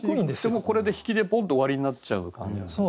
でもこれで引きでポンと終わりになっちゃう感じがする。